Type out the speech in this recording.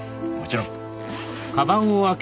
もちろん。